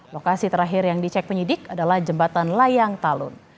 lokasi terakhir yang dicek penyidik adalah jembatan layang talun